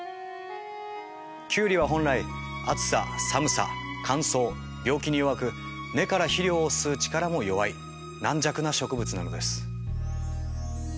キュウリは本来暑さ寒さ乾燥病気に弱く根から肥料を吸う力も弱い軟弱な植物なのです。